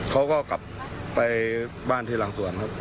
เขาก็กลับไปบ้านที่หลังสวนครับ